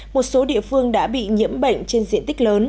một số địa phương đã bị nhiễm bệnh trên diện tích lớn